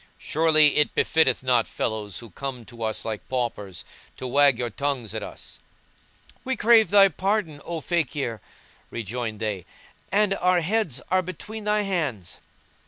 surely it befitteth not fellows who come to us like paupers to wag your tongues at us." "We crave thy pardon, O Fakír,"[FN#170] rejoined they, "and our heads are between thy hands."